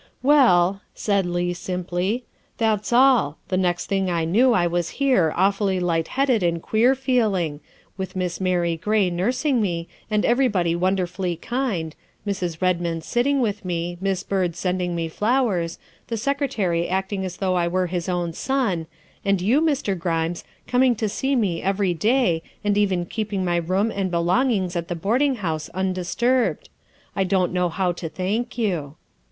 " Well," said Leigh simply, " that's all. The next thing I knew I was here, awfully light headed and queer feeling, with Miss Mary Gray nursing me and everybody wonderfully kind, Mrs. Redmond sitting with me, Miss Byrd sending me flowers, the Secretary acting as though I were his own son, and you, Mr. Grimes, coming to see me every day and even keeping my room and belongings at the boarding house undisturbed. I don't know how to thank you."